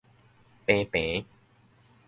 平平